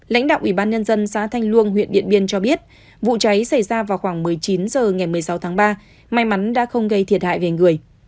lãnh đạo ủy ban nhân dân xã thanh luông huyện điện biên cho biết vụ cháy xảy ra vào khoảng một mươi chín h ngày một mươi sáu tháng ba may mắn đã không gây thiệt hại về người